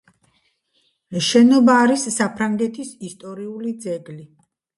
შენობა არის საფრანგეთის ისტორიული ძეგლი.